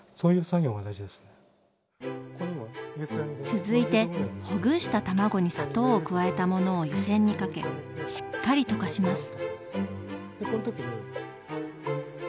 続いてほぐした卵に砂糖を加えたものを湯煎にかけしっかり溶かします。